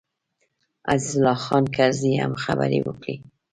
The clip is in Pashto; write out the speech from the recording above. عزیز الله خان کرزي هم خبرې وکړې.